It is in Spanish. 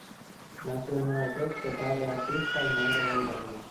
Nació en Nueva York, de padre artista y madre bailarina.